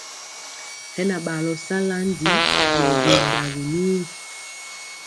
Hɛ na ɓaalɔ sala ndi nɛ bimbawi ni.